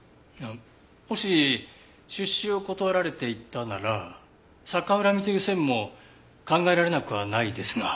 もし出資を断られていたなら逆恨みという線も考えられなくはないですが。